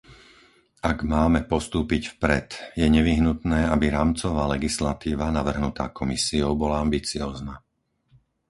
Ak máme postúpiť vpred, je nevyhnutné, aby rámcová legislatíva navrhnutá Komisiou bola ambiciózna.